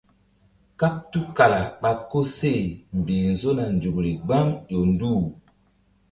Kàɓ tul kala ɓa koseh mbih nzona nzukri gbam ƴo nduh.